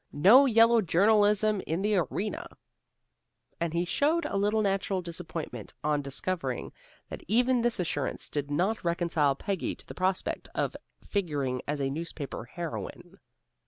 No yellow journalism in the Arena." And he showed a little natural disappointment on discovering that even this assurance did not reconcile Peggy to the prospect of figuring as a newspaper heroine.